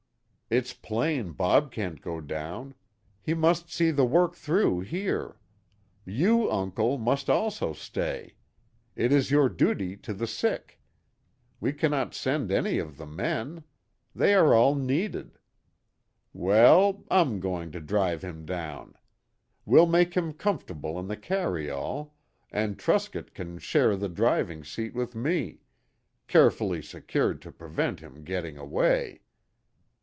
It's plain Bob can't go down. He must see the work through here. You, uncle, must also stay. It is your duty to the sick. We cannot send any of the men. They are all needed. Well, I'm going to drive him down. We'll make him comfortable in the carryall, and Truscott can share the driving seat with me carefully secured to prevent him getting away.